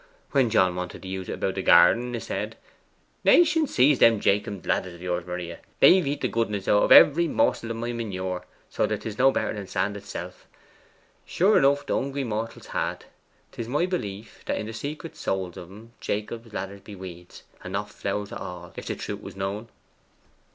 When John wanted to use it about the garden, 'a said, "Nation seize them Jacob's ladders of yours, Maria! They've eat the goodness out of every morsel of my manure, so that 'tis no better than sand itself!" Sure enough the hungry mortals had. 'Tis my belief that in the secret souls o' 'em, Jacob's ladders be weeds, and not flowers at all, if the truth was known.